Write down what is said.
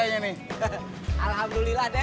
iya gue tau